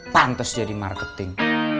pantes jadi marketing